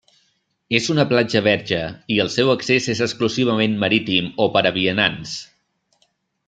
És una platja verge i el seu accés és exclusivament marítim o per a vianants.